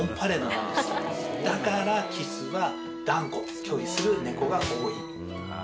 だからキスは断固拒否する猫が多い。